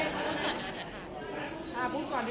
สวัสดีครับคุณผู้ชม